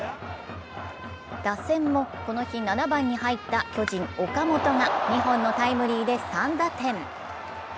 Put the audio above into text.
打線も、この日７番に入った巨人・岡本が２本のタイムリーで３打点。